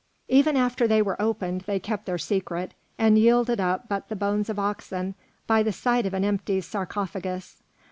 Even after they were opened they kept their secret, and yielded up but the bones of oxen by the side of an empty sarcophagus.